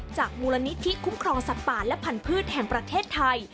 มูลนิธิคุ้มครองสัตว์ป่าและพันธุ์แห่งประเทศไทย